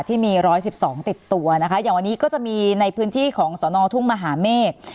ที่มี๑๑๒ติดตัวนะคะอย่างวันนี้ก็จะมีในพื้นที่ของสนทุ่งมหาเมฆ